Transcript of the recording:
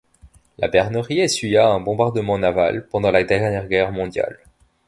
La Bernerie essuya un bombardement naval, pendant la dernière guerre mondiale.